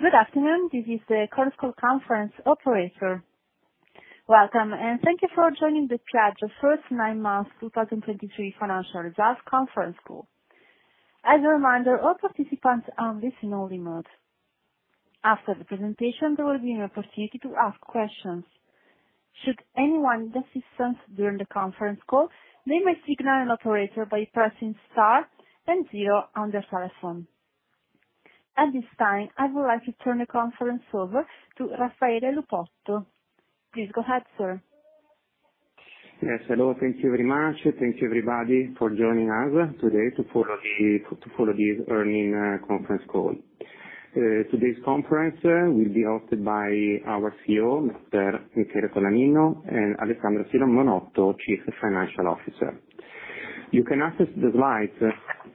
Good afternoon. This is the conference call operator. Welcome, and thank you for joining the Piaggio's first nine months 2023 financial results conference call. As a reminder, all participants are in listen-only mode. After the presentation, there will be an opportunity to ask questions. Should anyone need assistance during the conference call, they may signal an operator by pressing star and zero on their telephone. At this time, I would like to turn the conference over to Raffaele Lupotto. Please go ahead, sir. Yes, hello. Thank you very much. Thank you, everybody, for joining us today to follow the earnings conference call. Today's conference will be hosted by our CEO, Mr. Michele Colaninno and Alessandra Simonotto, Chief Financial Officer. You can access the slides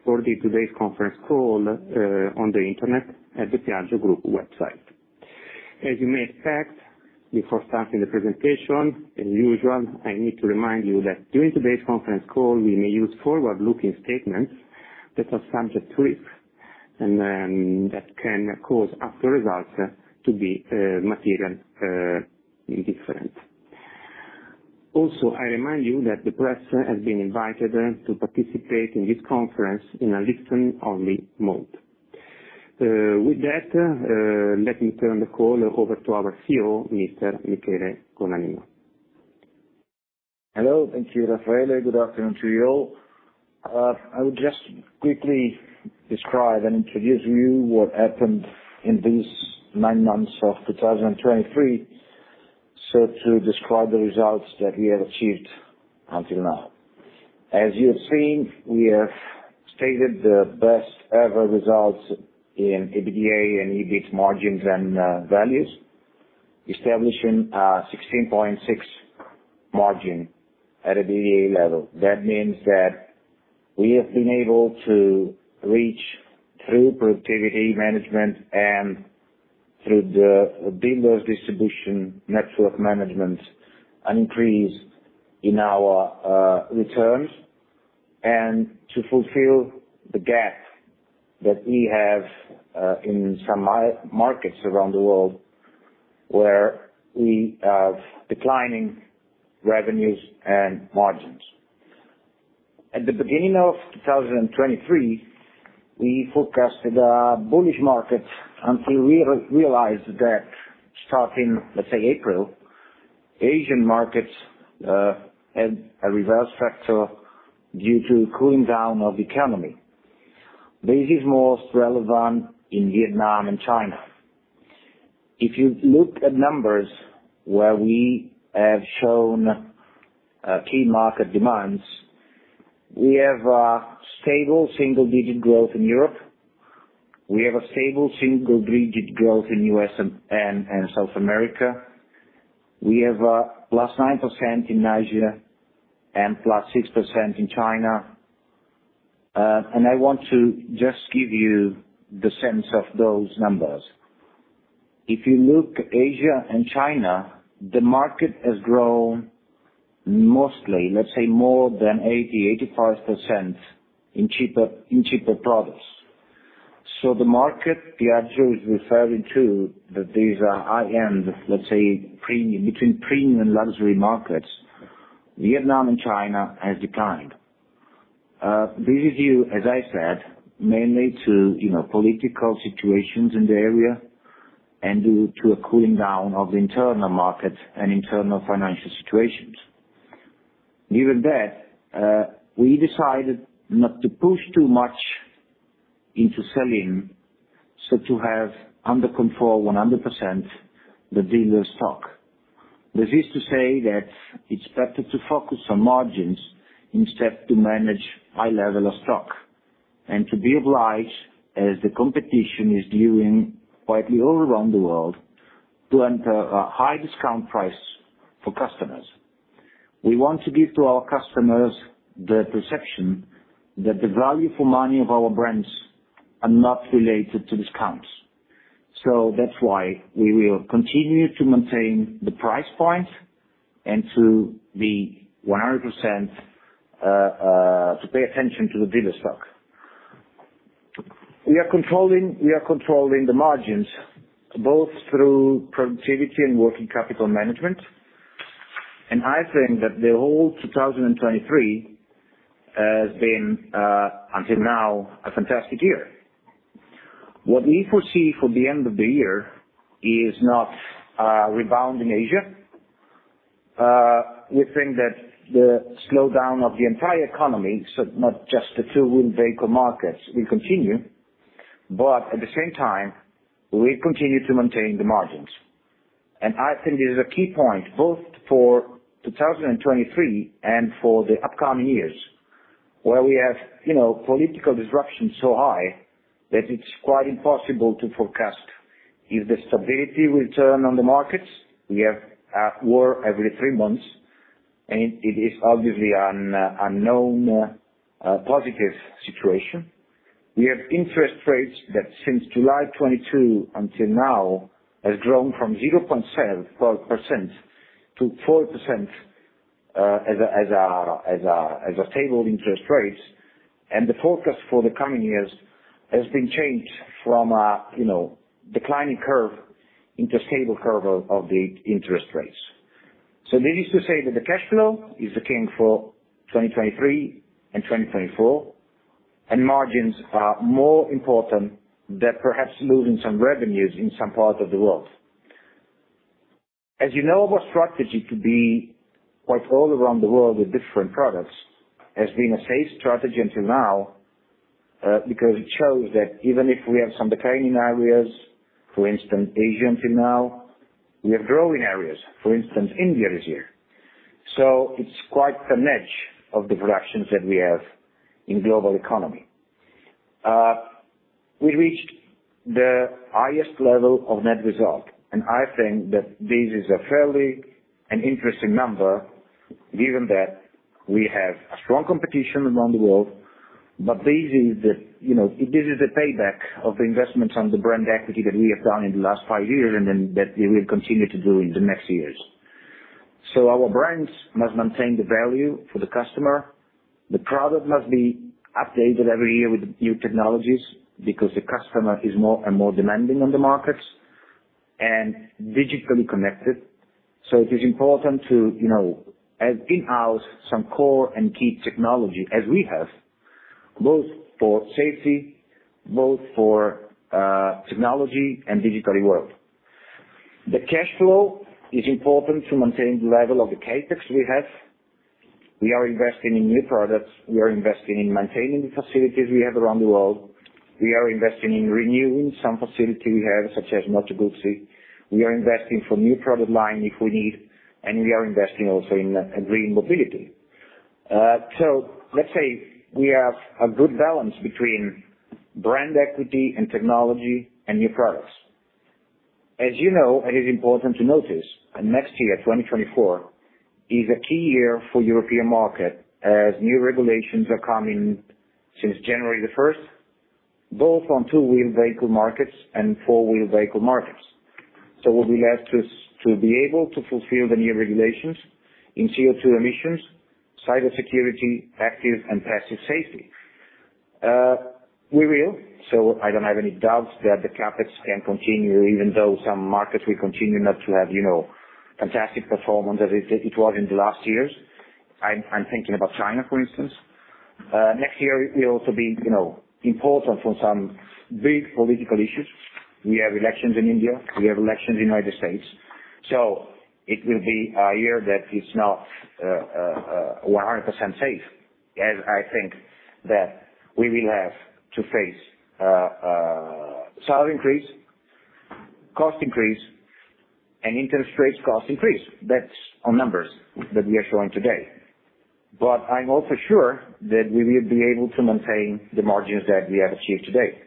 for today's conference call on the internet at the Piaggio Group website. As you may expect, before starting the presentation, as usual, I need to remind you that during today's conference call, we may use forward-looking statements that are subject to risk and that can cause actual results to be materially different. Also, I remind you that the press has been invited to participate in this conference in a listen-only mode. With that, let me turn the call over to our CEO, Mr. Michele Colaninno. Hello. Thank you, Raffaele. Good afternoon to you all. I would just quickly describe and introduce you what happened in these nine months of 2023, so to describe the results that we have achieved until now. As you have seen, we have stated the best ever results in EBITDA and EBIT margins and values. Establishing a 16.6% margin at EBITDA level. That means that we have been able to reach through productivity management and through the dealers distribution network management, an increase in our returns, and to fulfill the gap that we have in some markets around the world where we have declining revenues and margins. At the beginning of 2023, we forecasted a bullish market until we realized that starting, let's say, April, Asian markets had a reverse factor due to cooling down of the economy. This is most relevant in Vietnam and China. If you look at numbers where we have shown key market demands, we have a stable single-digit growth in Europe. We have a stable single-digit growth in U.S. and South America. We have +9% in Nigeria and +6% in China. And I want to just give you the sense of those numbers. If you look Asia and China, the market has grown mostly, let's say, more than 80%-85% in cheaper products. So the market, Piaggio, is referring to that these are high-end, let's say, premium, between premium and luxury markets. Vietnam and China has declined. This is due, as I said, mainly to, you know, political situations in the area and due to a cooling down of the internal market and internal financial situations. Given that, we decided not to push too much into selling, so to have under control 100% the dealer stock. This is to say that it's better to focus on margins instead to manage high level of stock, and to be obliged, as the competition is doing quietly all around the world, to enter a high discount price for customers. We want to give to our customers the perception that the value for money of our brands are not related to discounts. So that's why we will continue to maintain the price point and to be 100%, to pay attention to the dealer stock. We are controlling, we are controlling the margins both through productivity and working capital management, and I think that the whole 2023 has been, until now, a fantastic year. What we foresee for the end of the year is not a rebound in Asia. We think that the slowdown of the entire economy, so not just the two-wheel vehicle markets, will continue, but at the same time, we continue to maintain the margins. And I think this is a key point, both for 2023 and for the upcoming years, where we have, you know, political disruption so high that it's quite impossible to forecast. If the stability will turn on the markets, we have at war every three months, and it is obviously an unknown, positive situation. We have interest rates that since July 2022 until now has grown from 0.7% to 4%, as a stable interest rates, and the forecast for the coming years has been changed from a, you know, declining curve into a stable curve of the interest rates. So needless to say that the cash flow is the king for 2023 and 2024, and margins are more important than perhaps losing some revenues in some parts of the world. As you know, our strategy to be quite all around the world with different products has been a safe strategy until now, because it shows that even if we have some declining areas, for instance, Asia until now, we have growing areas, for instance, India is here. So it's quite a niche of the productions that we have in global economy. We reached the highest level of net result, and I think that this is a fairly an interesting number, given that we have a strong competition around the world. But this is the, you know, this is the payback of the investments on the brand equity that we have done in the last five years, and then that we will continue to do in the next years. So our brands must maintain the value for the customer. The product must be updated every year with new technologies because the customer is more and more demanding on the markets and digitally connected. So it is important to, you know, have in-house some core and key technology as we have, both for safety, both for technology and digitally world. The cash flow is important to maintain the level of the CapEx we have. We are investing in new products. We are investing in maintaining the facilities we have around the world. We are investing in renewing some facility we have, such as Moto Guzzi. We are investing for new product line if we need, and we are investing also in green mobility. So let's say we have a good balance between brand equity and technology and new products. As you know, it is important to notice, and next year, 2024 is a key year for European market, as new regulations are coming since January 1st, both on two-wheel vehicle markets and four-wheel vehicle markets. So we'll be left to be able to fulfill the new regulations in CO2 emissions, cybersecurity, active and passive safety. We will, so I don't have any doubts that the CapEx can continue, even though some markets will continue not to have, you know, fantastic performance as it was in the last years. I'm thinking about China, for instance. Next year will also be, you know, important for some big political issues. We have elections in India. We have elections in United States. So it will be a year that is not 100% safe, as I think that we will have to face salary increase, cost increase, and interest rates cost increase. That's on numbers that we are showing today. But I'm also sure that we will be able to maintain the margins that we have achieved today.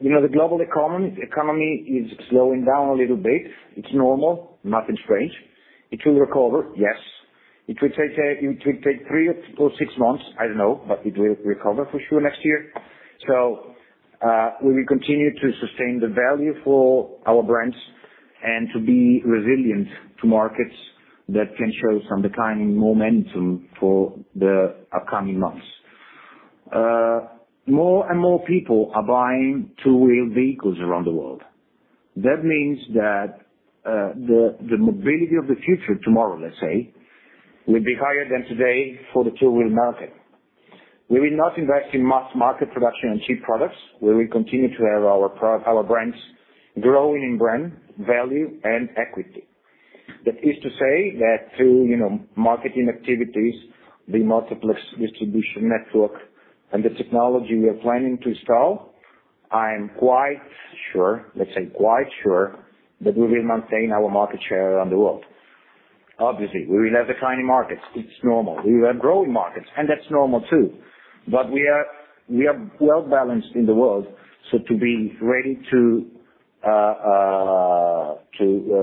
You know, the global economy is slowing down a little bit. It's normal. Nothing strange. It will recover, yes. It will take three or six months, I don't know, but it will recover for sure next year. We will continue to sustain the value for our brands and to be resilient to markets that can show some declining momentum for the upcoming months. More and more people are buying two-wheel vehicles around the world. That means that the mobility of the future, tomorrow, let's say, will be higher than today for the two-wheel market. We will not invest in mass market production and cheap products. We will continue to have our pro—our brands growing in brand, value, and equity. That is to say that through, you know, marketing activities, the Motoplex distribution network, and the technology we are planning to install, I'm quite sure, let's say quite sure, that we will maintain our market share around the world. Obviously, we will have declining markets. It's normal. We will have growing markets, and that's normal, too. But we are well-balanced in the world, so to be ready to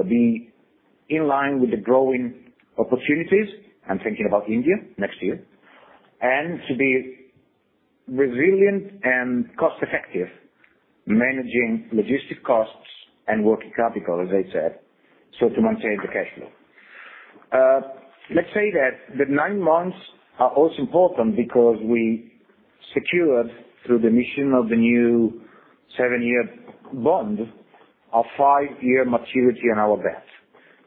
be in line with the growing opportunities, I'm thinking about India next year, and to be resilient and cost effective, managing logistic costs and working capital, as I said, so to maintain the cash flow. Let's say that the nine months are also important because we secured through the mission of the new seven-year bond, a five-year maturity on our debt.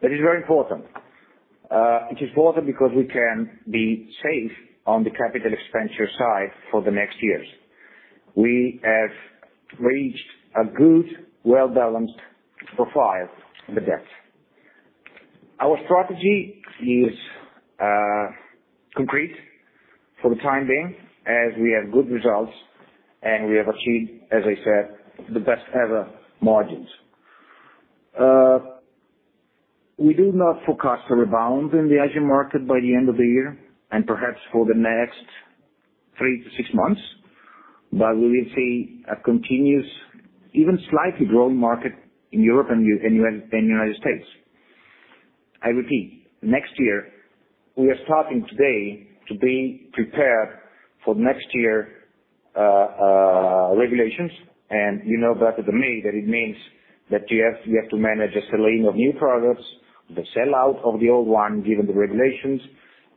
That is very important. It is important because we can be safe on the CapEx side for the next years. We have reached a good, well-balanced profile in the debt. Our strategy is concrete for the time being, as we have good results, and we have achieved, as I said, the best ever margins. We do not forecast a rebound in the Asian market by the end of the year, and perhaps for the next three to six months, but we will see a continuous, even slightly growing market in Europe and United States. I repeat, next year. We are starting today to be prepared for next year regulations, and you know better than me that it means that you have, we have to manage a selling of new products, the sell-out of the old one, given the regulations.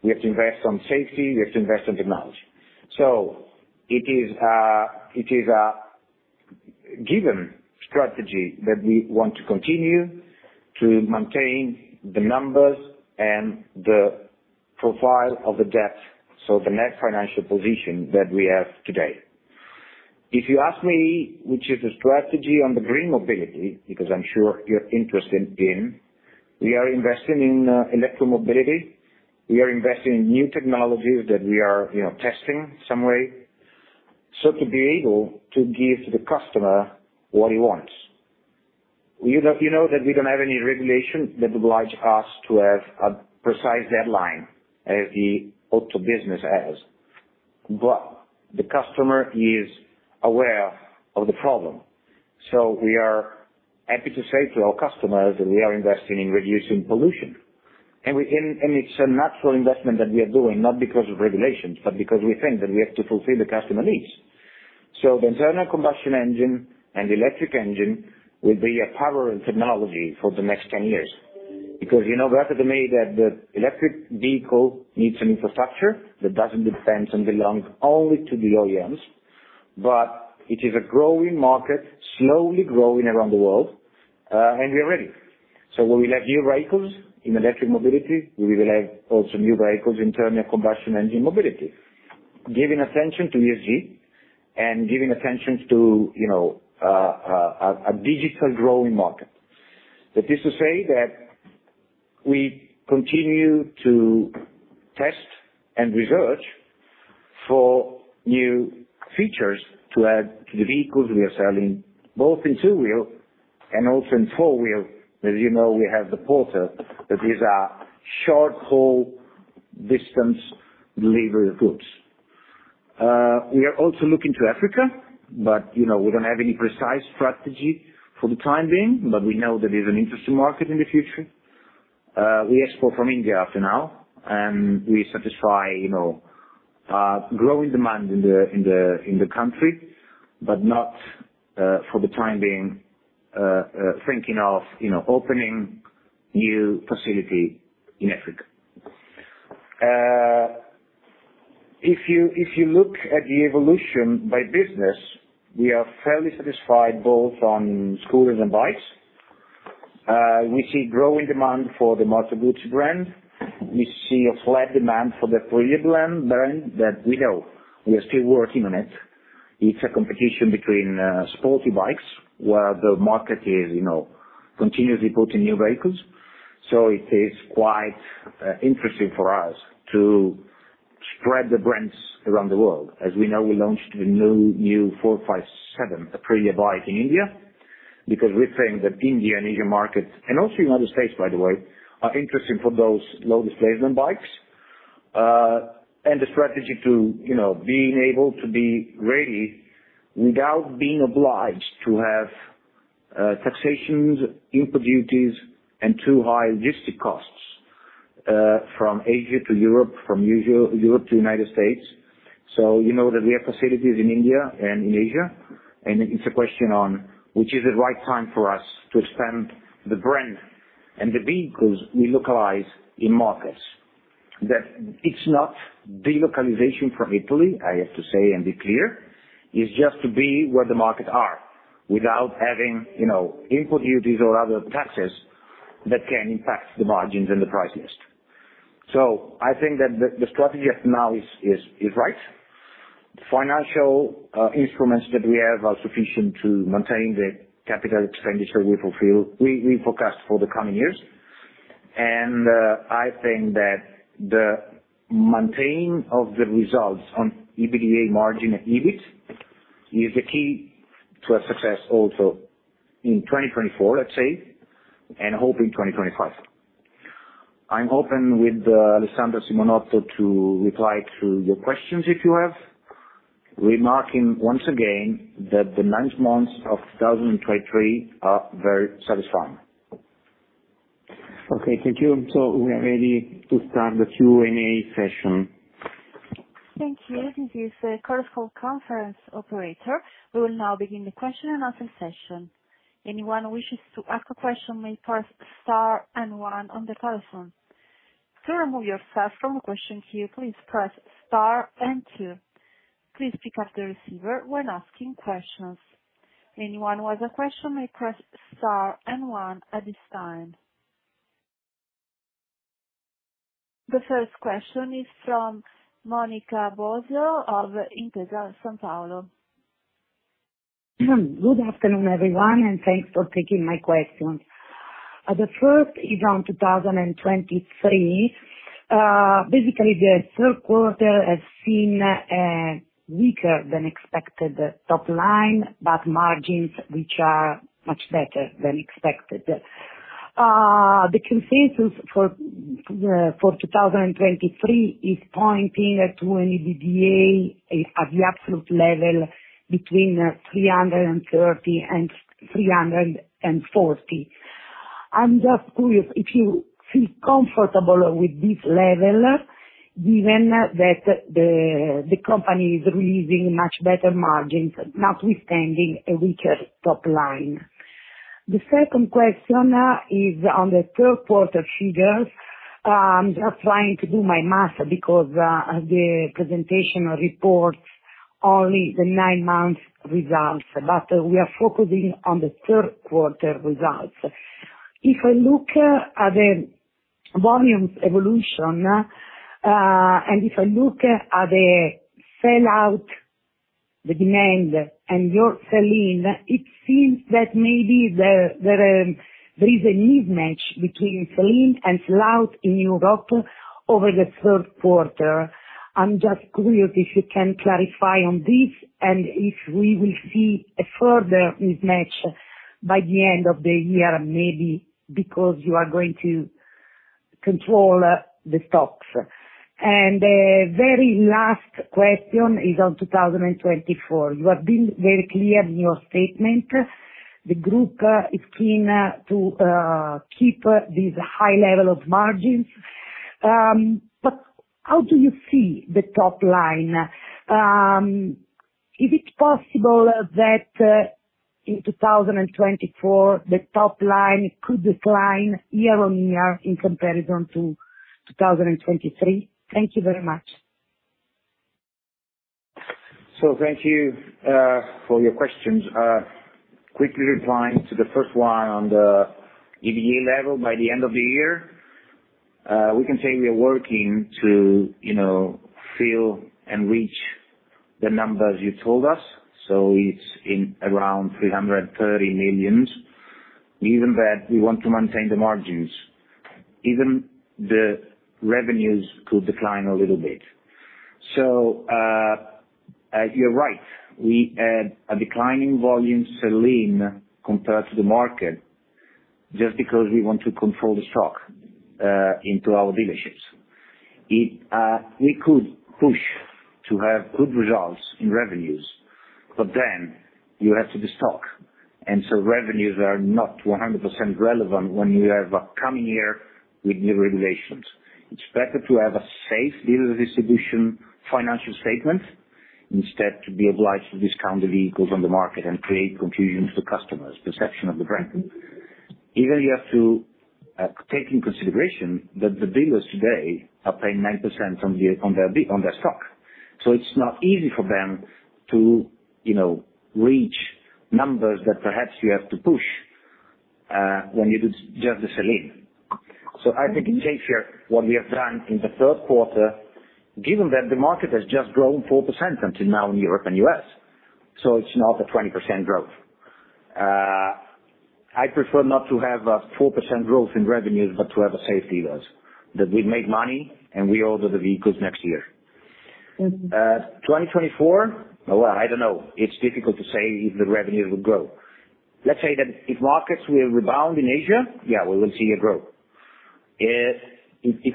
We have to invest on safety, we have to invest on technology. So it is, it is a given strategy that we want to continue to maintain the numbers and the profile of the debt, so the net financial position that we have today. If you ask me, which is the strategy on the green mobility, because I'm sure you're interested in, we are investing in, electro mobility. We are investing in new technologies that we are, you know, testing some way, so to be able to give the customer what he wants. We know, you know, that we don't have any regulation that oblige us to have a precise deadline as the auto business has, but the customer is aware of the problem. We are happy to say to our customers that we are investing in reducing pollution, and it's a natural investment that we are doing, not because of regulations, but because we think that we have to fulfill the customer needs. The internal combustion engine and electric engine will be a power and technology for the next 10 years. Because you know better than me that the electric vehicle needs an infrastructure that doesn't depend and belong only to the OEMs, but it is a growing market, slowly growing around the world, and we are ready. We will have new vehicles in electric mobility. We will have also new vehicles in terms of combustion engine mobility, giving attention to ESG and giving attention to, you know, a digital growing market. That is to say that we continue to test and research for new features to add to the vehicles we are selling, both in two wheel and also in four wheel. As you know, we have the Porter, that these are short-haul distance delivery goods. We are also looking to Africa, but you know, we don't have any precise strategy for the time being, but we know that there's an interesting market in the future. We export from India after now, and we satisfy, you know, growing demand in the country, but not, for the time being, thinking of, you know, opening new facility in Africa. If you look at the evolution by business, we are fairly satisfied both on scooters and bikes. We see growing demand for the Moto Guzzi brand. We see a flat demand for the Aprilia brand, brand that we know. We are still working on it. It's a competition between sporty bikes, where the market is, you know, continuously putting new vehicles. So it is quite interesting for us to spread the brands around the world. As we know, we launched a new, new 457 Aprilia bike in India, because we think that India and Asian markets, and also United States, by the way, are interesting for those low displacement bikes. And the strategy to, you know, being able to be ready without being obliged to have taxations, import duties, and too high logistic costs from Asia to Europe, from Europe to United States. So you know that we have facilities in India and in Asia, and it's a question on which is the right time for us to expand the brand and the vehicles we localize in markets. That it's not delocalization from Italy, I have to say and be clear, it's just to be where the markets are, without having, you know, import duties or other taxes that can impact the margins and the price list. So I think that the strategy up now is right. Financial instruments that we have are sufficient to maintain the CapEx we fulfill we forecast for the coming years. And I think that the maintain of the results on EBITDA margin, EBIT, is the key to a success also in 2024, let's say, and hope in 2025. I'm open with Alessandra Simonotto to reply to your questions if you have. Remarking once again, that the nine months of 2023 are very satisfying. Okay, thank you. So we are ready to start the Q&A session. Thank you. This is a telephone conference operator. We will now begin the question-and-answer session. Anyone who wishes to ask a question may press star and one on the telephone. To remove yourself from a question queue, please press star and two. Please pick up the receiver when asking questions. Anyone who has a question may press star and one at this time. The first question is from Monica Bosio of Intesa Sanpaolo. Good afternoon, everyone, and thanks for taking my questions. The first is on 2023. Basically, the third quarter has seen a weaker than expected top line, but margins which are much better than expected. The consensus for 2023 is pointing at an EBITDA at the absolute level between 330 million and 340 million. I'm just curious if you feel comfortable with this level, given that the company is releasing much better margins, notwithstanding a weaker top line. The second question is on the third quarter figures. Just trying to do my math because the presentation reports only the nine months results, but we are focusing on the third quarter results. If I look at the volume evolution, and if I look at the sell-out, the demand, and your sell-in, it seems that maybe there is a mismatch between sell-in and sell-out in Europe over the third quarter. I'm just curious if you can clarify on this, and if we will see a further mismatch by the end of the year, maybe because you are going to control the stocks. A very last question is on 2024. You have been very clear in your statement, the group is keen to keep this high level of margins. But how do you see the top line? Is it possible that in 2024, the top line could decline year-on-year in comparison to 2023? Thank you very much. So thank you for your questions. Quickly replying to the first one on the EBITDA level by the end of the year, we can say we are working to, you know, fill and reach the numbers you told us, so it's in around 330 million, given that we want to maintain the margins, even the revenues could decline a little bit. So, you're right, we had a declining volume sell-in compared to the market just because we want to control the stock into our dealerships. It, we could push to have good results in revenues, but then you have to de-stock, and so revenues are not 100% relevant when you have a coming year with new regulations. It's better to have a safe dealer distribution financial statement, instead to be obliged to discount the vehicles on the market and create confusion to customers' perception of the brand. Even you have to take in consideration that the dealers today are paying 9% on their stock, so it's not easy for them to, you know, reach numbers that perhaps you have to push when you do just the sell-in. So I think it's safe here, what we have done in the third quarter, given that the market has just grown 4% until now in Europe and U.S., so it's not a 20% growth. I prefer not to have a 4% growth in revenues, but to have safe dealers that we make money and we order the vehicles next year. 2024, well, I don't know. It's difficult to say if the revenue will grow. Let's say that if markets will rebound in Asia, yeah, we will see a growth. If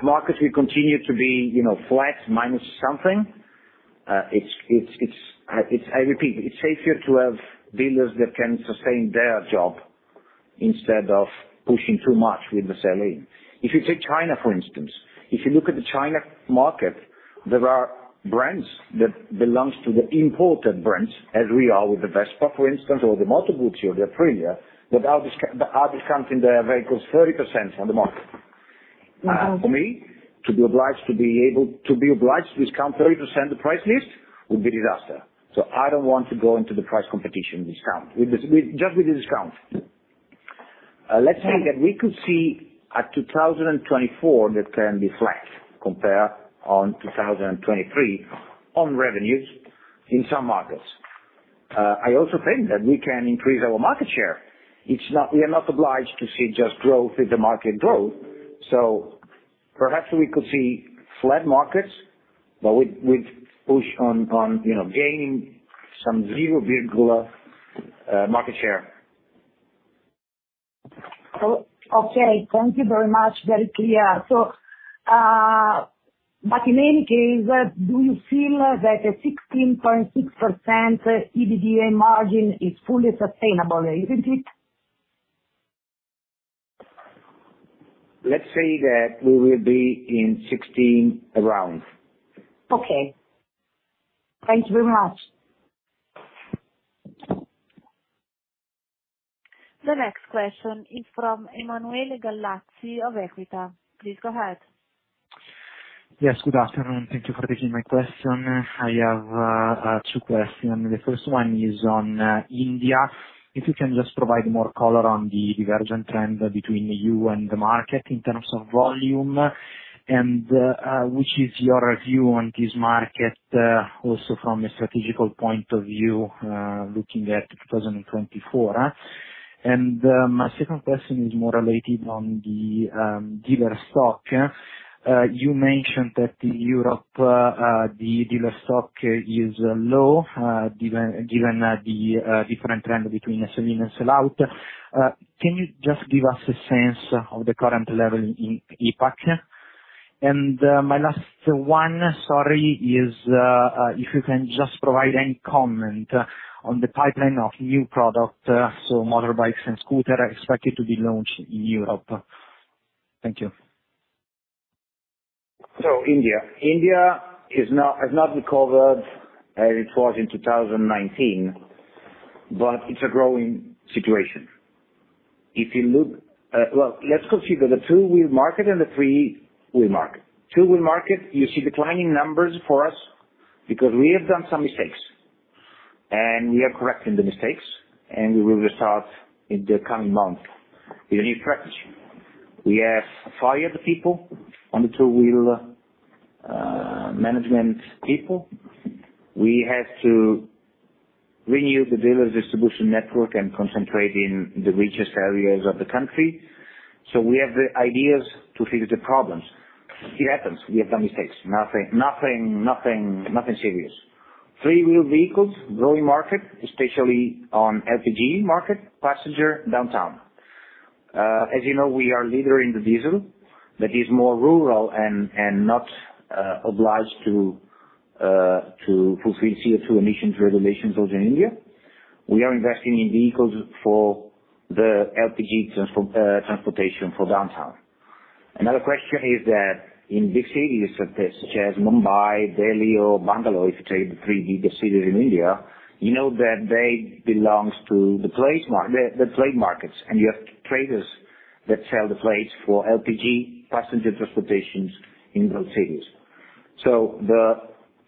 markets will continue to be, you know, flat minus something, it's safer to have dealers that can sustain their job instead of pushing too much with the sell-in. If you take China, for instance, if you look at the China market, there are brands that belongs to the imported brands, as we are with the Vespa, for instance, or the Moto Guzzi or the Aprilia, that are discounting their vehicles 30% on the market. Uh-huh. For me to be obliged to discount 30% the price list would be disaster. So I don't want to go into the price competition discount, with, with just with the discount. Let's say that we could see a 2024 that can be flat compared on 2023 on revenues in some markets. I also think that we can increase our market share. It's not, we are not obliged to see just growth if the market grow, so perhaps we could see flat markets, but we, we push on, on, you know, gaining some two-wheeler market share. Oh, okay. Thank you very much. Very clear. So, but in any case, do you feel that a 16.6% EBITDA margin is fully sustainable, isn't it? Let's say that we will be in 16%, around. Okay. Thank you very much. The next question is from Emanuele Gallazzi of Equita. Please go ahead. Yes, good afternoon. Thank you for taking my question. I have two questions. The first one is on India. If you can just provide more color on the divergent trend between you and the market in terms of volume, and which is your view on this market, also from a strategical point of view, looking at 2024? And my second question is more related on the dealer stock. You mentioned that Europe the dealer stock is low, given the different trend between the sell-in and sell-out. Can you just give us a sense of the current level in APAC? My last one, sorry, is if you can just provide any comment on the pipeline of new product, so motorbikes and scooter expected to be launched in Europe? Thank you. So India. India is not, has not recovered as it was in 2019, but it's a growing situation. If you look, well, let's consider the two-wheel market and the three-wheel market. Two-wheel market, you see declining numbers for us because we have done some mistakes, and we are correcting the mistakes, and we will restart in the coming month with a new strategy. We have fired the people on the two-wheel management. We have to renew the dealer's distribution network and concentrate in the richest areas of the country, so we have the ideas to fix the problems. It happens, we have done mistakes. Nothing, nothing, nothing, nothing serious. Three-wheeled vehicles, growing market, especially on LPG market, passenger, downtown. As you know, we are leader in the diesel, that is more rural and not obliged to fulfill CO2 emissions regulations those in India. We are investing in vehicles for the LPG transportation for downtown. Another question is that in big cities, such as Mumbai, Delhi or Bangalore, if you take the three big cities in India, you know that they belongs to the trade markets, and you have traders that sell the plates for LPG passenger transportations in those cities. So the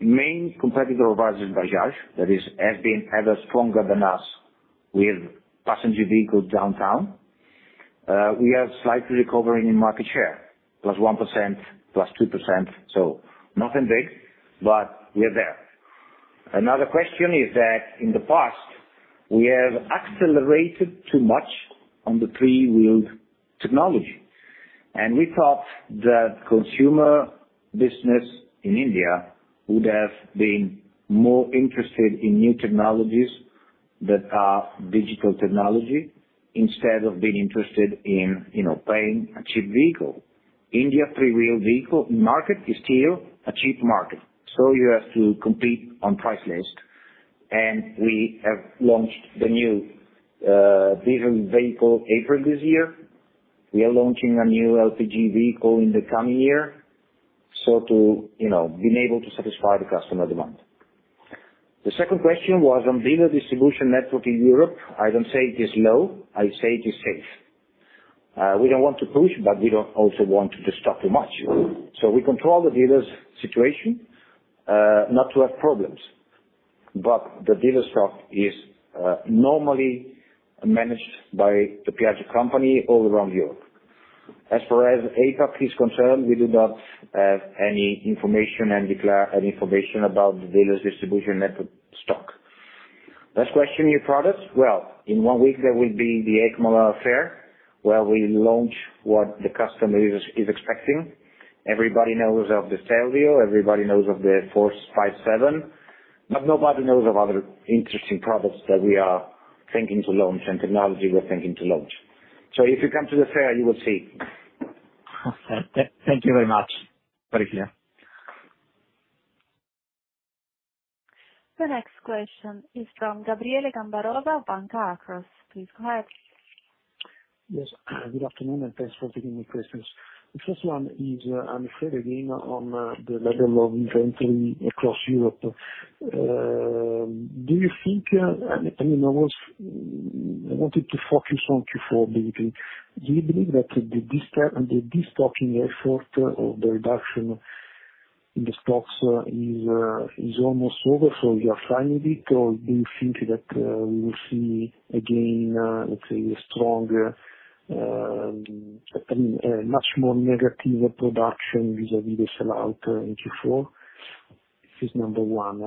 main competitor of ours is Bajaj, that is, has been, ever stronger than us with passenger vehicles downtown. We are slightly recovering in market share, +1%, +2%, so nothing big, but we're there. Another question is that in the past, we have accelerated too much on the three-wheeled technology, and we thought that consumer business in India would have been more interested in new technologies that are digital technology, instead of being interested in, you know, buying a cheap vehicle. India three-wheeled vehicle market is still a cheap market, so you have to compete on price list, and we have launched the new diesel vehicle, April this year. We are launching a new LPG vehicle in the coming year, so to, you know, being able to satisfy the customer demand. The second question was on dealer distribution network in Europe. I don't say it is low, I say it is safe. We don't want to push, but we don't also want to disrupt too much. So we control the dealer's situation, not to have problems, but the dealer stock is normally managed by the Piaggio company all around Europe. As far as APAC is concerned, we do not have any information and declare any information about the dealer's distribution network stock. Last question, new products. Well, in one week there will be the EICMA fair, where we launch what the customer is expecting. Everybody knows of the Stelvio, everybody knows of the RS 457, but nobody knows of other interesting products that we are thinking to launch and technology we're thinking to launch. So if you come to the fair, you will see. Thank you very much. Very clear. The next question is from Gabriele Gambarova of Banca Akros. Please go ahead. Yes, good afternoon, and thanks for taking the questions. The first one is, I'm afraid again, on the level of inventory across Europe. Do you think—I mean, I wanted to focus on Q4 a bit. Do you believe that the destock, the destocking effort or the reduction in the stocks is almost over, so you are seeing it, or do you think that we will see again, let's say a stronger, I mean, a much more negative production vis-à-vis the sell-out in Q4? This is number one.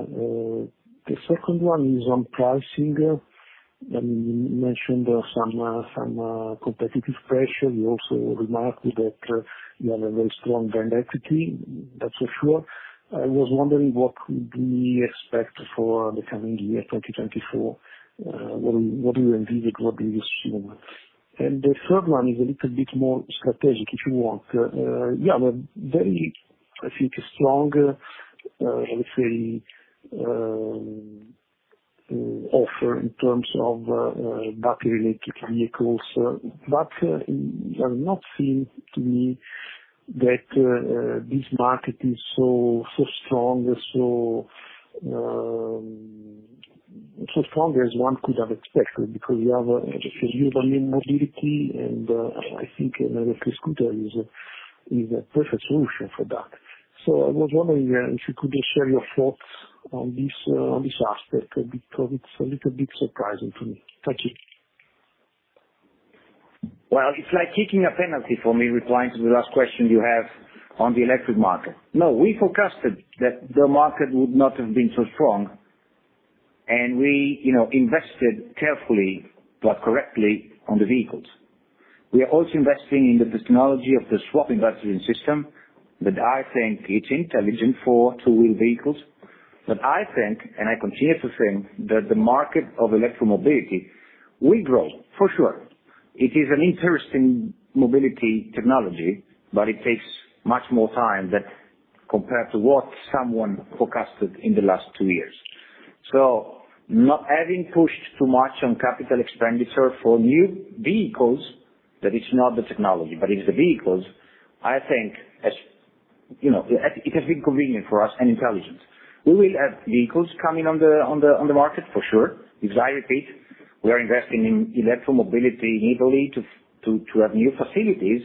The second one is on pricing. You mentioned some competitive pressure. You also remarked that you have a very strong brand equity, that's for sure. I was wondering what could we expect for the coming year, 2024? What do you envision, what do you assume? The third one is a little bit more strategic, if you want. But very, I think, a strong, let's say, offer in terms of battery-related vehicles, but it does not seem to me that this market is so strong as one could have expected, because you have an urban mobility, and I think an electric scooter is a perfect solution for that. So I was wondering if you could just share your thoughts on this aspect, because it's a little bit surprising to me. Thank you. Well, it's like kicking a penalty for me, replying to the last question you have on the electric market. No, we forecasted that the market would not have been so strong, and we, you know, invested carefully, but correctly on the vehicles. We are also investing in the technology of the swap-in battery system, that I think it's intelligent for two-wheeled vehicles. But I think, and I continue to think, that the market of electromobility will grow, for sure. It is an interesting mobility technology, but it takes much more time than compared to what someone forecasted in the last two years. So not having pushed too much on CapEx for new vehicles, that is not the technology, but it's the vehicles, I think, as you know, it, it has been convenient for us and intelligent. We will have vehicles coming on the market for sure, because I repeat, we are investing in electromobility in Italy to have new facilities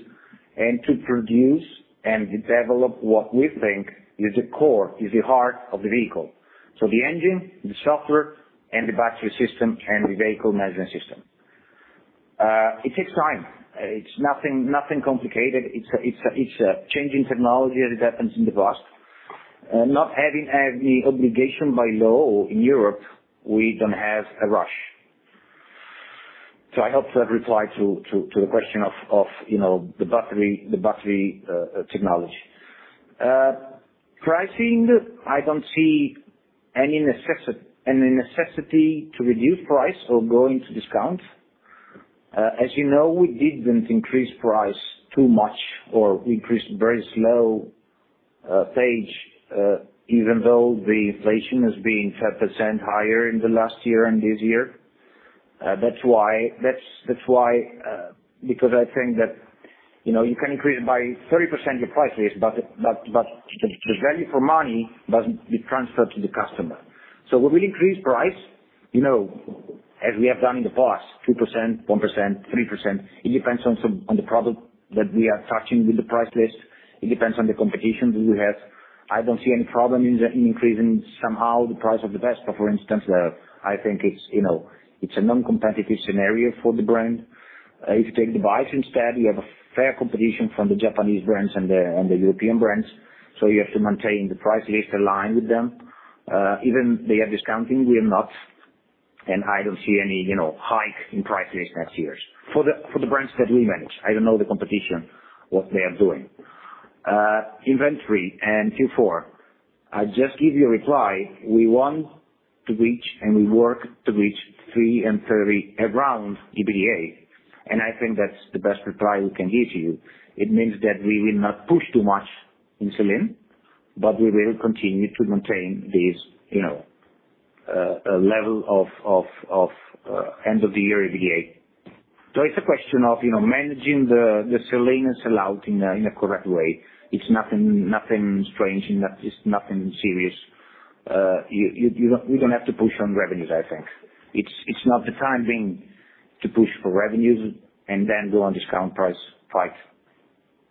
and to produce and develop what we think is the core, is the heart of the vehicle. So the engine, the software, and the battery system and the vehicle management system. It takes time. It's nothing complicated. It's a changing technology as it happens in the past. Not having any obligation by law in Europe, we don't have a rush. So I hope that replied to the question of, you know, the battery technology. Pricing, I don't see any necessity to reduce price or going to discount. As you know, we didn't increase price too much or increased very slow pace, even though the inflation has been 5% higher in the last year and this year. That's why, because I think that, you know, you can increase it by 30% your prices, but the value for money doesn't be transferred to the customer. So we will increase price, you know, as we have done in the past, 2%, 1%, 3%, it depends on the product that we are touching with the price list. It depends on the competition that we have. I don't see any problem in increasing somehow the price of the Vespa, for instance. I think it's, you know, it's a non-competitive scenario for the brand. If you take the bikes instead, you have a fair competition from the Japanese brands and the European brands, so you have to maintain the price list aligned with them. Even they are discounting, we are not, and I don't see any, you know, hike in price list next years, for the brands that we manage. I don't know the competition, what they are doing. Inventory and Q4, I just give you a reply, we want to reach and we work to reach 330 million around EBITDA, and I think that's the best reply we can give to you. It means that we will not push too much in sell-in, but we will continue to maintain this, you know, level of end-of-the-year EBITDA. So it's a question of, you know, managing the sell-in and sell-out in a correct way. It's nothing, nothing strange, and it's nothing serious. You don't, we don't have to push on revenues I think. It's not the time being to push for revenues and then go on discount price.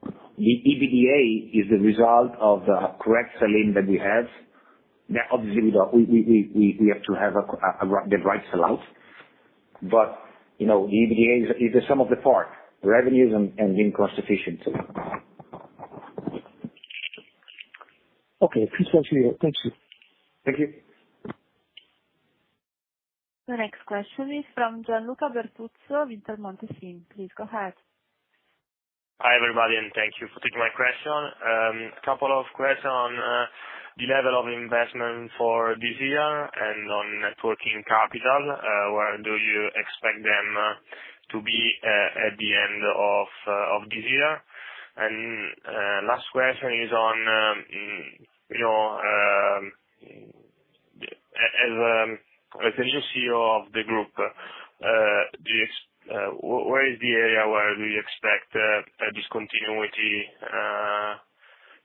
The EBITDA is the result of the correct sell-in that we have, that obviously we have to have the right sell-out. But, you know, EBITDA is the sum of the part, revenues and being cost efficient. Okay. Crystal clear, thank you. Thank you. The next question is from Gianluca Bertuzzo, Intermonte SIM. Please go ahead. Hi, everybody, and thank you for taking my question. A couple of questions on the level of investment for this year and on networking capital, where do you expect them to be at the end of this year? Last question is on, you know, as a new CEO of the group, do you expect, where is the area, where do you expect a discontinuity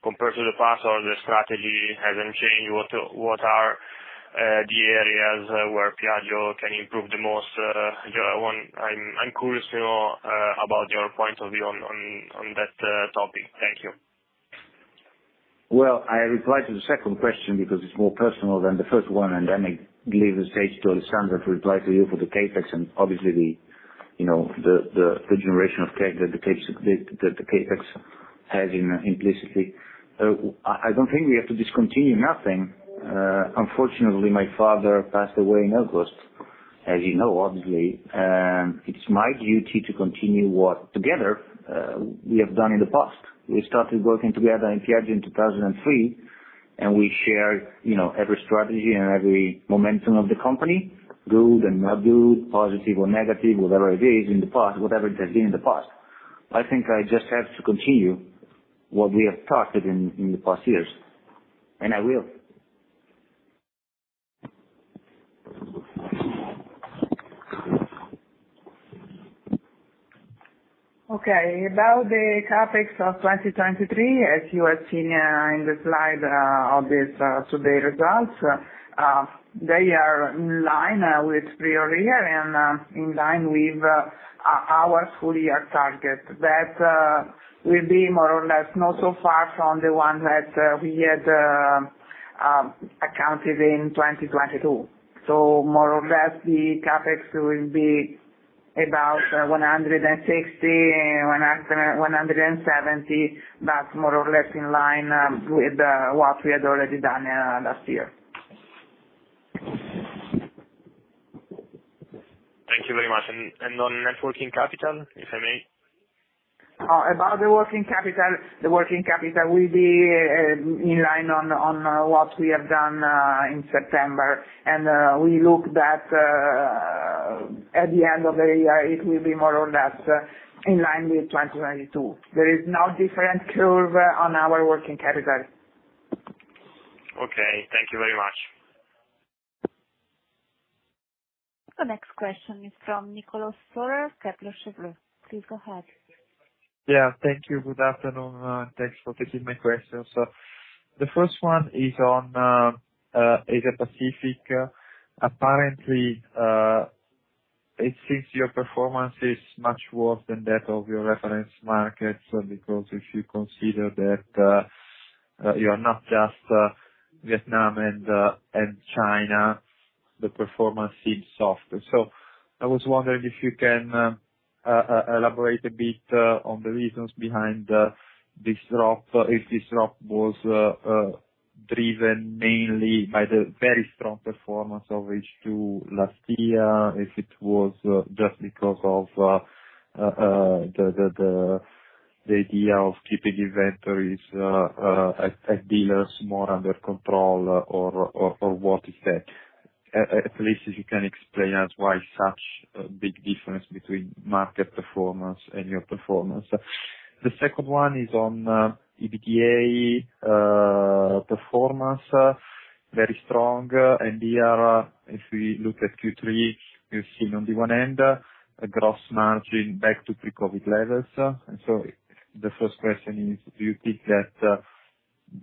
compared to the past or the strategy hasn't changed? What, what are the areas where Piaggio can improve the most, you know, I want—I'm, I'm curious, you know, about your point of view on, on, on that topic. Thank you. Well, I reply to the second question because it's more personal than the first one, and then I leave the stage to Alessandra to reply to you for the CapEx and obviously, you know, the generation of cash, the CapEx, that the CapEx has implicitly. I don't think we have to discontinue nothing. Unfortunately, my father passed away in August, as you know, obviously, and it's my duty to continue what together we have done in the past. We started working together in Piaggio in 2003, and we share, you know, every strategy and every momentum of the company, good and not good, positive or negative, whatever it is in the past, whatever it has been in the past. I think I just have to continue what we have started in the past years, and I will. Okay. About the CapEx of 2023, as you have seen, in the slide, of this today results, they are in line, with prior year and, in line with, our full-year target. That will be more or less, not so far from the one that, we had, accounted in 2022. So more or less, the CapEx will be about 160 million-170 million. That's more or less in line, with, what we had already done, last year. Thank you very much. And on net working capital, if I may? About the working capital, the working capital will be in line on what we have done in September. We look that at the end of the year, it will be more or less in line with 2022. There is no different curve on our working capital. Okay, thank you very much. The next question is from Niccolò Storer, Kepler Cheuvreux. Please go ahead. Yeah, thank you. Good afternoon, thanks for taking my question. So the first one is on Asia Pacific. Apparently, it seems your performance is much worse than that of your reference markets, because if you consider that, you are not just Vietnam and and China, the performance seems softer. So I was wondering if you can elaborate a bit on the reasons behind this drop, if this drop was driven mainly by the very strong performance of H2 last year, if it was just because of the idea of keeping inventories at dealers more under control or what is that? At least if you can explain us why such a big difference between market performance and your performance. The second one is on EBITDA performance, very strong. Here, if we look at Q3, we've seen on the one end, a gross margin back to pre-COVID levels. So the first question is, do you think that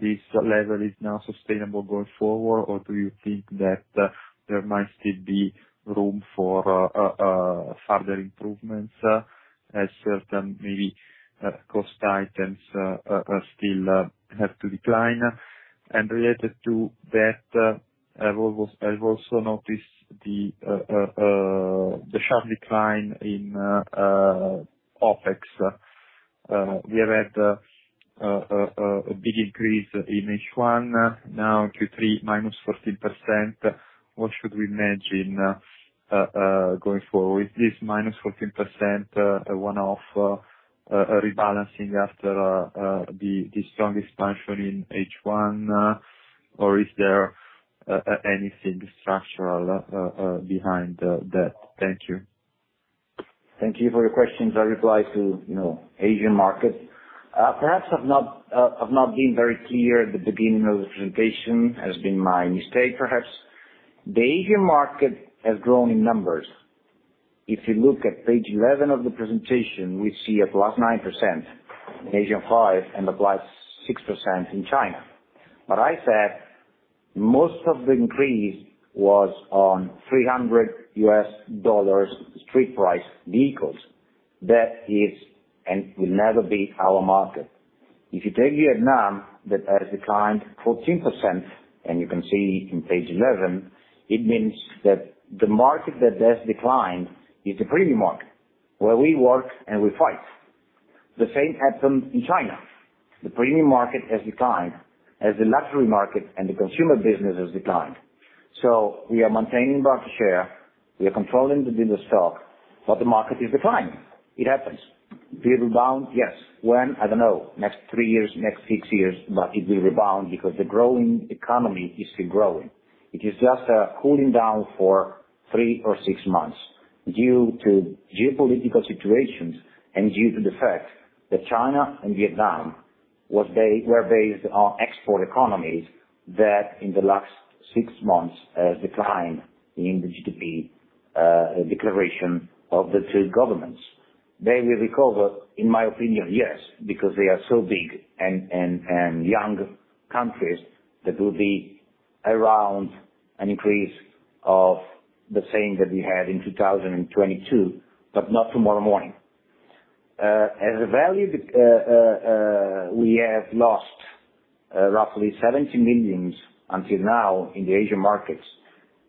this level is now sustainable going forward? Or do you think that there might still be room for further improvements as certain maybe cost items still have to decline? And related to that, I've also noticed the sharp decline in OpEx. We have had a big decrease in OpEx now, Q3 -14%. What should we mention going forward? Is this -14%, one-off rebalancing after the strong expansion in H1, or is there anything structural behind that? Thank you. Thank you for your questions. I reply to, you know, Asian market. Perhaps I've not, I've not been very clear at the beginning of the presentation, has been my mistake perhaps. The Asian market has grown in numbers. If you look at page 11 of the presentation, we see a +9% in ASEAN 5 and a +6% in China. But I said, most of the increase was on $300 street price vehicles. That is, and will never be our market. If you take Vietnam, that has declined 14%, and you can see in page 11, it means that the market that has declined is the premium market, where we work and we fight. The same happened in China. The premium market has declined, as the luxury market and the consumer business has declined. So we are maintaining market share, we are controlling the dealer stock, but the market is declining. It happens. We rebound, yes. When? I don't know. Next three years, next six years, but it will rebound because the growing economy is still growing. It is just cooling down for three or six months due to geopolitical situations, and due to the fact that China and Vietnam was based, were based on export economies, that in the last six months declined in the GDP declaration of the two governments. They will recover, in my opinion, yes, because they are so big and, and, and young countries that will be around an increase of the same that we had in 2022, but not tomorrow morning. As a value, we have lost roughly 70 million until now in the Asian markets,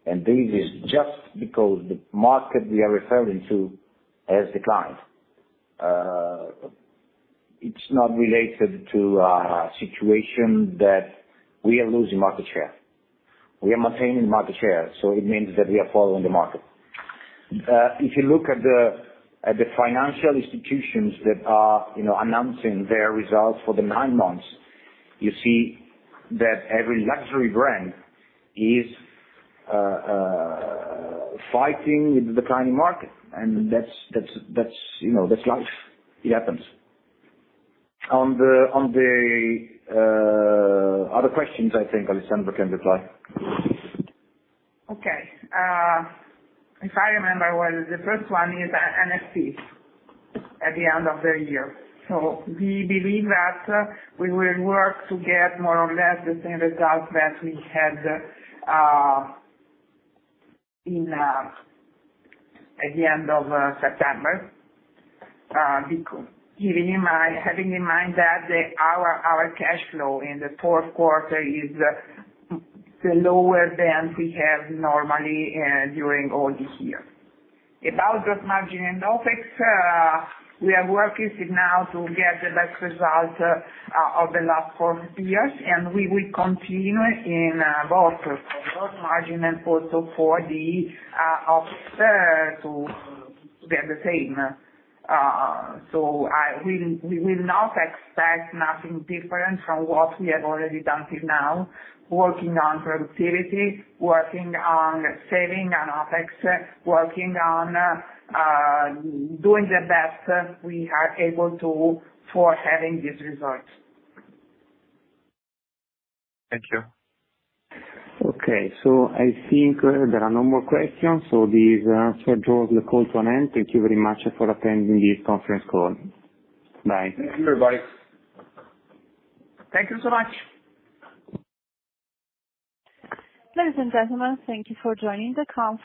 and this is just because the market we are referring to has declined. It's not related to a situation that we are losing market share. We are maintaining market share, so it means that we are following the market. If you look at the financial institutions that are, you know, announcing their results for the nine months, you see that every luxury brand is fighting with the declining market. And that's, you know, that's life. It happens. On the other questions, I think Alessandra can reply. Okay. If I remember well, the first one is NFP at the end of the year. So we believe that we will work to get more or less the same result that we had in at the end of September. Keeping in mind, having in mind that our cash flow in the fourth quarter is lower than we have normally during all the year. About gross margin and OpEx, we are working now to get the best result of the last four years, and we will continue in both gross margin and also for the OpEx to get the same. So, we, we will not expect nothing different from what we have already done till now, working on productivity, working on saving on OpEx, working on doing the best we are able to for having these results. Thank you. Okay, so I think there are no more questions, so this draws the call to an end. Thank you very much for attending this conference call. Bye. Thank you, everybody. Thank you so much. Ladies and gentlemen, thank you for joining the conference.